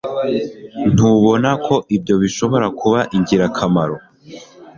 Ntubona ko ibyo bishobora kuba ingirakamaro